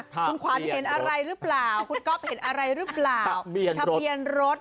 คุณขวัญเห็นอะไรหรือเปล่าคุณก๊อฟเห็นอะไรหรือเปล่าทะเบียนรถ